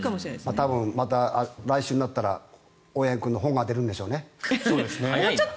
多分また来週になったら大八木君の本が出るんでしょうね。